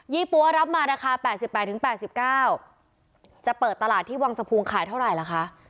ี่ปั๊วรับมาราคา๘๘๙จะเปิดตลาดที่วังสะพุงขายเท่าไหร่ล่ะคะ